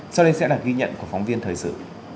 sau đây sẽ là ghi nhận của phóng viên thời sự